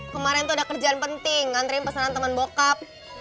kemarin tuh ada kerjaan penting ngantriin pesanan temen bokap